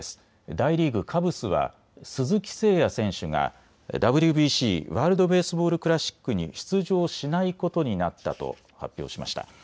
大リーグ、カブスは鈴木誠也選手がＷＢＣ・ワールド・ベースボール・クラシックに出場しないことになったと発表しました。